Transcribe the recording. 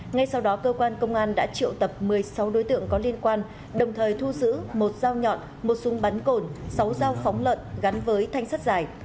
ngay sau đó cơ quan công an đã triệu tập một mươi sáu đối tượng có liên quan đồng thời thu giữ một dao nhọn một súng bắn cổn sáu dao phóng lợn gắn với thanh sắt dài